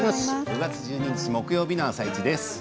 ５月１２日木曜日の「あさイチ」です。